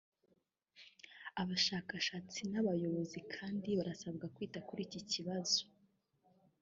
Abashakashatsi n’abayobozi kandi barasabwa kwita kuri iki kibazo